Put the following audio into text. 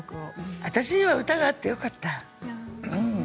私には歌があってよかった。